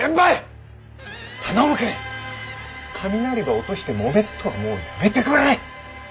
頼むけん雷ば落としてもめっとはもうやめてくれ。